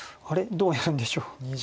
どうやるんでしょう。